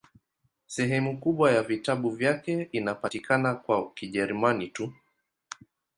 Sehemu kubwa ya vitabu vyake inapatikana kwa Kijerumani tu.